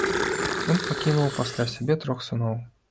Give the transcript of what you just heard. Ён пакінуў пасля сябе трох сыноў.